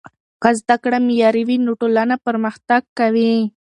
که زده کړه معیاري وي نو ټولنه پرمختګ کوي.